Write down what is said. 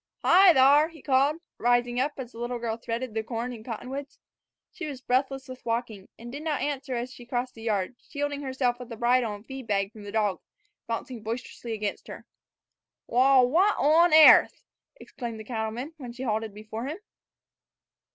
"Hi thar!" he called, rising up as the little girl threaded the corn and cottonwoods. She was breathless with walking, and did not answer as she crossed the yard, shielding herself with the bridle and the feed bag from the dog, bounding boisterously against her. "Wal, what on airth!" exclaimed the cattleman when she halted before him.